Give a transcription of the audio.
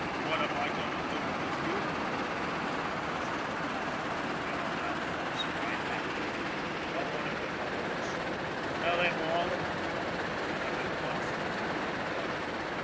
" W r hat am I goin' to do with you ? Nothin' ! You get on that horse and ride back to Pete. I want him to know this. Tell him all about it. Tell him Munford told you to tell him.